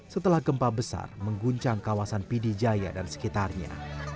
setelah gempa besar mengguncang kawasan pd jaya dan sekitarnya